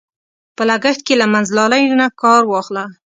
په لګښت کې له منځلارۍ نه کار واخله.